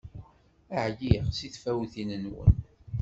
Ɛyiɣ seg tfawtin-nwen!